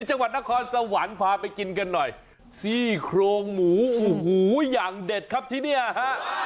จังหวัดนครสวรรค์พาไปกินกันหน่อยซี่โครงหมูโอ้โหอย่างเด็ดครับที่เนี่ยฮะ